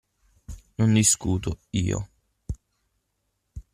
Non discuto, io.